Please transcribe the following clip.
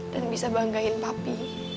dan bisa banggain papi